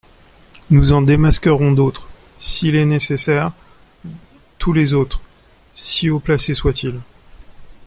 Nous en démasquerons d'autres, s'il est nécessaire, tous les autres, si haut placés soient-ils.